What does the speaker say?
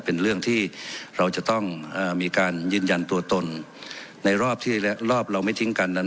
เป็นเรื่องที่เราจะต้องมีการยืนยันตัวตนในรอบที่และรอบเราไม่ทิ้งกันนั้น